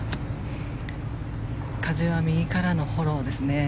風は右からのフォローですね。